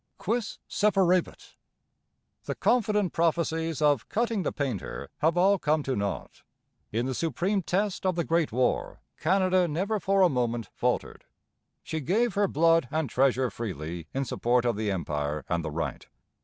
Quis separabit? The confident prophecies of 'cutting the painter' have all come to naught. In the supreme test of the Great War, Canada never for a moment faltered. She gave her blood and treasure freely in support of the Empire and the Right.